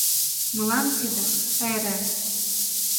Мылам тиде — пайрем.